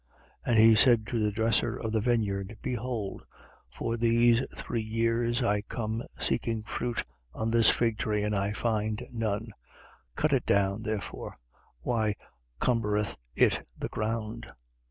13:7. And he said to the dresser of the vineyard: Behold, for these three years I come seeking fruit on this fig tree and I find none. Cut it down therefore. Why cumbereth it the ground?